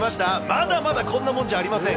まだまだこんなもんじゃありません。